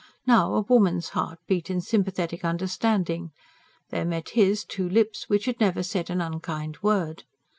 Now, a woman's heart beat in sympathetic understanding; there met his, two lips which had never said an unkind word.